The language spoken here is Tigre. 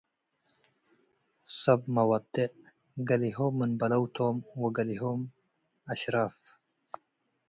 ሰብ መወጤዕ ገሌሆም ምን በለው ቶም ወገሌሆም አሽራፍ ።